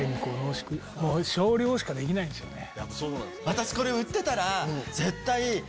私これ売ってたら。